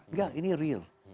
nggak ini real